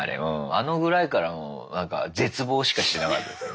あのぐらいからもうなんか絶望しかしてなかった。